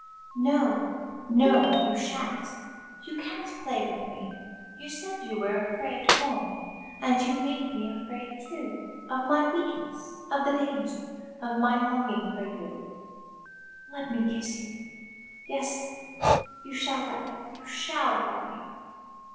"No, no, you shan't you can't play with me! You said you were afraid for me, and you made me afraid, too of my weakness of the danger of my longing for you " "Let me kiss you! Yes, you shall let me; you shall let me."